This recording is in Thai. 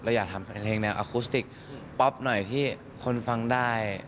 อยากทำเพลงแนวอคุสติกป๊อปหน่อยที่คนฟังได้